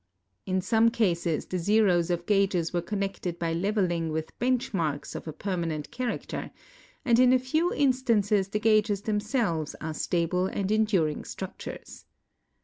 In some cases the zeros of gages were connected by level ing with bench marks of a permanent character, and in a few in stances the gages themselves are stable and enduring structures.